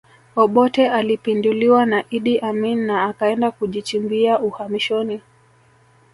Obote alipinduliwa na Idi Amin na akaenda kujichimbia uhamishoni